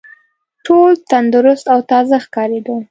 ټول تندرست او تازه ښکارېدل.